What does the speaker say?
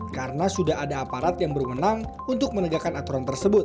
karena sudah ada aparat yang bermenang untuk menegakan aturan penyidik